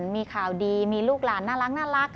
มีข่าวดีมีลูกหลานน่ารัก